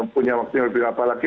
punya waktu yang lebih apa lagi